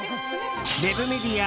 ウェブメディア